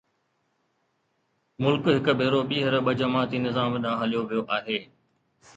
ملڪ هڪ ڀيرو ٻيهر ٻه جماعتي نظام ڏانهن هليو ويو آهي.